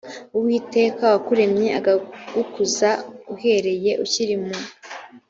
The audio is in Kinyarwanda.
uwiteka wakuremye akagukuza uhereye ukiri mu